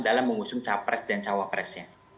dalam mengusung capres dan cawapresnya